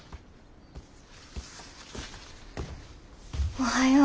おはよう。